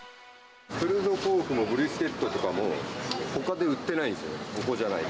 プルドポークもブリスケットとかも、ほかで売ってないんです